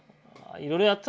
いろいろやってた。